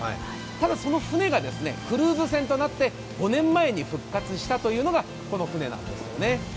ただその船がクルーズ船となって５年前に復活したというのがこの船なんですよね。